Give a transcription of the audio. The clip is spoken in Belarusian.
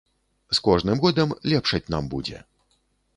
З кожным годам лепшаць нам будзе.